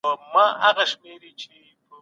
هیچا نسوای کولای چي په ازاده توګه استدلال وکړي.